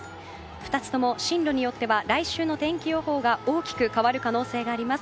２つとも進路によっては来週の天気予報が大きく変わる可能性があります。